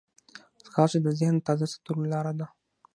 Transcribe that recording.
ځغاسته د ذهن تازه ساتلو لاره ده